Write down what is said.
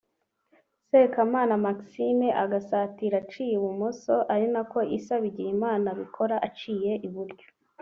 Sekamana Maxime agasatira aciye ibumoso ari nako Issa Bigirimana abikora aciye iburyo